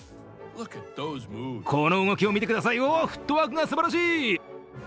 この動きを見てください、フットワークがすばらしい。